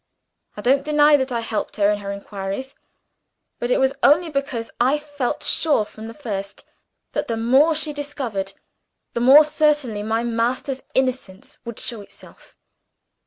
I don't deny that I helped her in her inquiries; but it was only because I felt sure from the first that the more she discovered the more certainly my master's innocence would show itself.